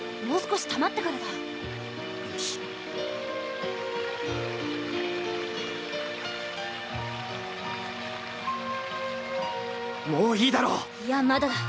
もう少したまってからだよしもういいだろいやまだだ